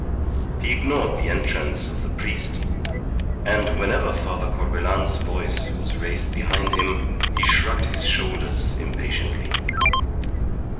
He ignored the entrance of the priest, and whenever Father Corbelan's voice was raised behind him, he shrugged his shoulders impatiently.